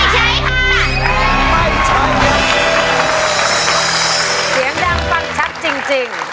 เสียงดังฟังชัดจริง